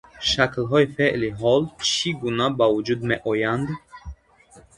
Шаклҳои феъли ҳол чӣ гуна ба вуҷуд меоянд?